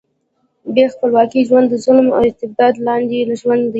بې خپلواکۍ ژوند د ظلم او استبداد لاندې ژوند دی.